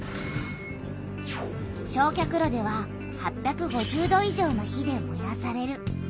焼却炉では８５０度以上の火でもやされる。